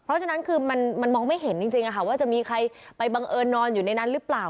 เพราะฉะนั้นคือมันมองไม่เห็นจริงว่าจะมีใครไปบังเอิญนอนอยู่ในนั้นหรือเปล่า